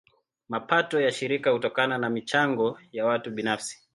Mapato ya shirika hutokana na michango ya watu binafsi.